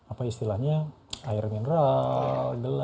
apa istilahnya air mineral gelas bumbung rasa